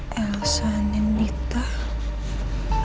handlar sesuai dengan